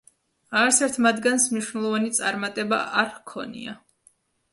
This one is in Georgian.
არც ერთ მათგანს მნიშვნელოვანი წარმატება არ ჰქონია.